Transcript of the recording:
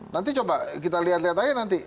nanti coba kita lihat lihat aja nanti